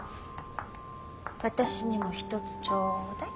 私にも一つちょうだい。